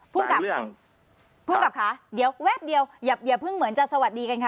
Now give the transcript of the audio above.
พูดกับค่ะเดี๋ยวแว๊บเดียวอย่าเพิ่งเหมือนจะสวัสดีกันค่ะ